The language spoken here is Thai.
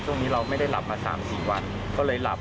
ช่วงนี้เราไม่ได้หลับมา๓๔วันก็เลยหลับ